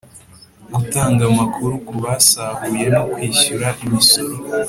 Gutanga Amakuru Ku Basahuye No Kwishyura Imisoro